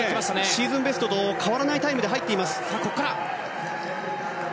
シーズンベストと変わらないタイムで入っています。